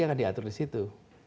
akan diatur di situ